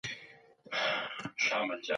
پایلې تایید شوې دي.